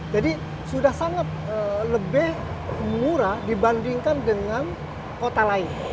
jadi sudah sangat lebih murah dibandingkan dengan kota lain